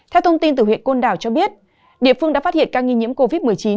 theo thông tin từ huyện côn đảo cho biết địa phương đã phát hiện ca nghi nhiễm covid một mươi chín